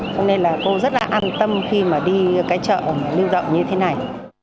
cho nên là cô rất là an tâm khi mà đi cái chợ lưu động như thế này